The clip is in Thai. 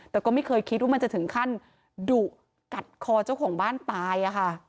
แต่ก็ไม่เคยคิดว่ามันจะถึงขั้นดุกัดคอเจ้าของบ้านตายอะค่ะ